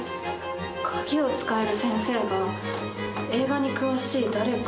鍵を使える先生が映画に詳しい誰かを連れてきた。